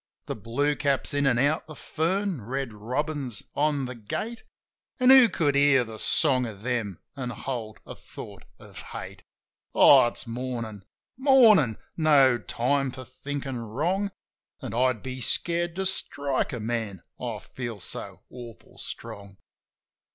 The blue cap's in an' out the fern, red robin's on the gate, An' who could hear the song of them and hold a thought of hate? Oh, it's Mornin'! Mornin'! No time for thinkin' wrong. An' I'd be scared to strike a man, I feel so awful strong.